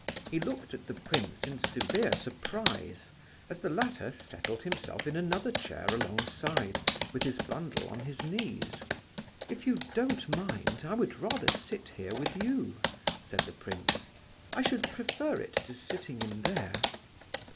He looked at the prince in severe surprise as the latter settled himself in another chair alongside, with his bundle on his knees. "If you don't mind, I would rather sit here with you," said the prince; "I should prefer it to sitting in there."